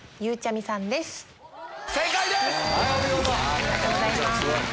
ありがとうございます。